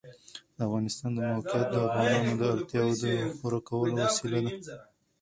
د افغانستان د موقعیت د افغانانو د اړتیاوو د پوره کولو وسیله ده.